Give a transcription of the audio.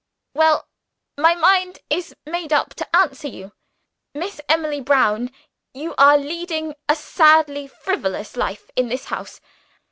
"Well, my mind is made up to answer you. Miss Emily Brown, you are leading a sadly frivolous life in this house.